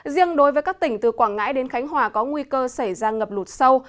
riêng đối với các tỉnh từ quảng ngãi đến khánh hòa có nguy cơ xảy ra ngập lụt sâu